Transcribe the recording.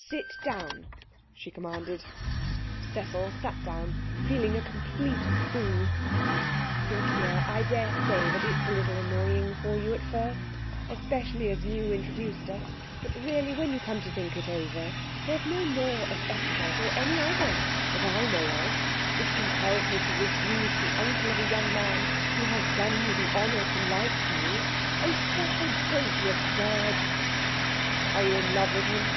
Sit down,' she commanded. Cecil sat down, feeling a complete fool. 'Look here. I daresay that it's a little annoying for you, at first, especially as you introduced us; but really, when you come to think it over, there's no law of etiquette, or any other that I know of, which compels me to refuse the uncle of a young man who has done me the honour to like me. Oh, Cecil, don't be absurd!' 'Are you in love with him?'